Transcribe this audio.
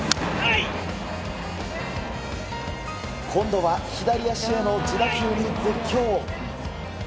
今度は左足への自打球に絶叫。